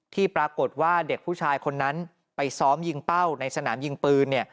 ที่ปรากฏว่าเด็กผู้ชายคนนั้นไปซ้อมยิงเป้าในสนามยิงปืน